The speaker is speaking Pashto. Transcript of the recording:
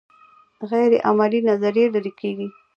غیر عملي نظریې لرې کیږي.